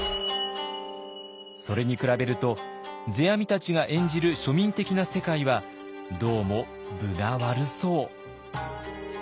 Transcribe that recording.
それに比べると世阿弥たちが演じる庶民的な世界はどうも分が悪そう。